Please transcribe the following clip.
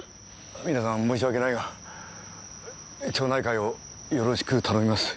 皆さん申し訳ないが町内会をよろしく頼みます。